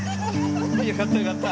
よかったよかった。